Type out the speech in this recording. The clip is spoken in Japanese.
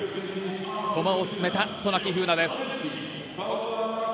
駒を進めた渡名喜風南です。